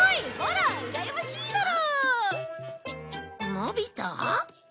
のび太？